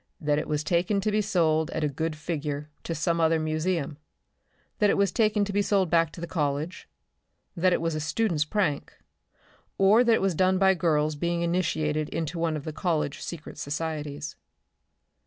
"That it was taken to be sold at a good figure to some other museum; that it was taken to be sold back to the College; that it was a students' prank; or that it was done by girls being initiated into one of the College secret societies."